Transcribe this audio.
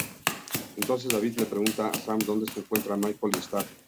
Entonces David le pregunta a Sam dónde se encuentran Michael y Star.